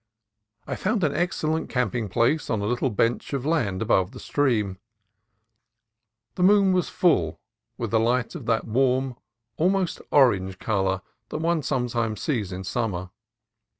I found an excellent camping place on a little bench of land above the stream. The moon was full, with light of that warm, almost orange, color that one sometimes sees in summer.